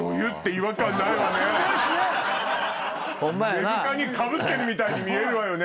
目深にかぶってるみたいに見えるわよね。